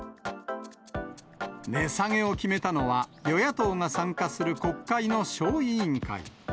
値下げを決めたのは、与野党が参加する国会の小委員会。